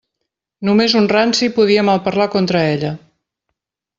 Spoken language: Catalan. Només un ranci podia malparlar contra ella.